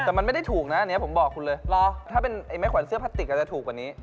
แต่มันไม่ได้ถูกนะอันนี้ผมบอกคุณเลยรอถ้าเป็นไอ้ไม้ขวัญเสื้อพลาสติกอาจจะถูกกว่านี้